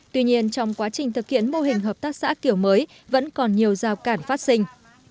tuy nhiên trong quá trình thực hiện mô hình hợp tác xã kiểu mới vẫn còn nhiều giao cản phát sinh